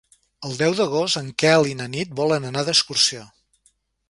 El deu d'agost en Quel i na Nit volen anar d'excursió.